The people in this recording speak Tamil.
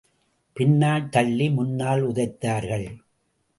பின்னால் தள்ளி, முன்னால் உதைத்தார்கள்.